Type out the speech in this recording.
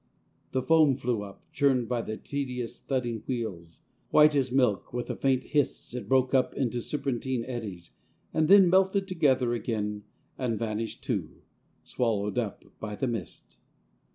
The foam flew up, churned by the tediously thudding wheels ; white as milk, with a faint hiss it broke up into serpentine eddies, and then melted together again and vanished too, swallowed up by the mist.